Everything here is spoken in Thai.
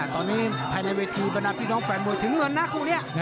ตอนนี้ภายในเวทีบรรดาพี่น้องแฟนมวยถึงเงินนะคู่นี้